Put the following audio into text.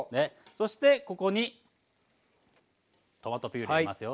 そしてここにトマトピュレ入れますよ。